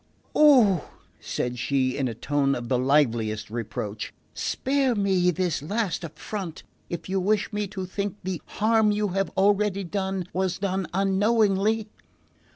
"Oh," said she, in a tone of the liveliest reproach, "spare me this last affront if you wish me to think the harm you have already done was done unknowingly!"